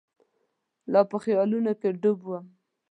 لا په خیالونو کې ډوب وم.